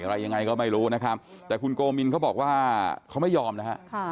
อะไรยังไงก็ไม่รู้นะครับแต่คุณโกมินเขาบอกว่าเขาไม่ยอมนะฮะ